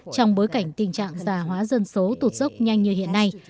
trong bối cảnh tình trạng già hóa dân số tụt dốc nhanh như hiện nay